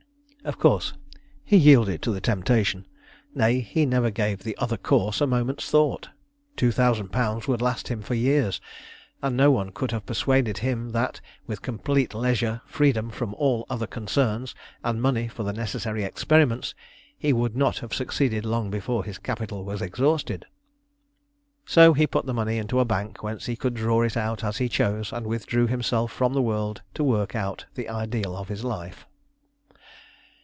Of course he yielded to the temptation nay, he never gave the other course a moment's thought. Two thousand pounds would last him for years; and no one could have persuaded him that with complete leisure, freedom from all other concerns, and money for the necessary experiments, he would not have succeeded long before his capital was exhausted. So he put the money into a bank whence he could draw it out as he chose, and withdrew himself from the world to work out the ideal of his life.